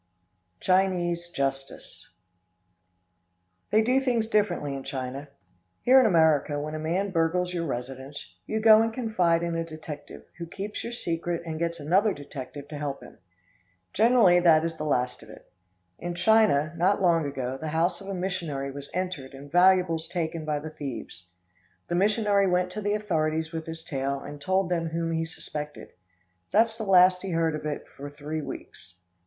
Chinese Justice. They do things differently in China. Here in America, when a man burgles your residence, you go and confide in a detective, who keeps your secret and gets another detective to help him. Generally that is the last of it. In China, not long ago, the house of a missionary was entered and valuables taken by the thieves. The missionary went to the authorities with his tale and told them whom he suspected. That's the last he heard of that for three weeks.